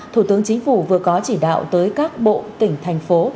thủ tướng chính phủ vừa có chỉ đạo tới các bộ tỉnh thành phố